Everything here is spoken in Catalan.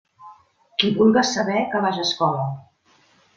Qui vulga saber, que vaja a escola.